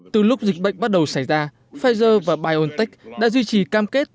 từ lúc dịch bệnh bắt đầu xảy ra pfizer và biontech đã duy trì cam kết